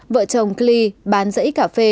vợ chồng klee bán rẫy cà phê